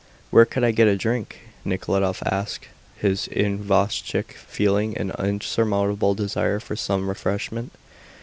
"Where could I get a drink?" Nekhludoff asked his isvostchik, feeling an insurmountable desire for some refreshment.